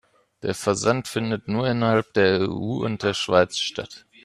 Der Versand findet nur innerhalb der EU und der Schweiz statt.